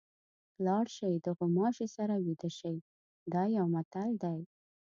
لاړ شئ د غوماشي سره ویده شئ دا یو متل دی.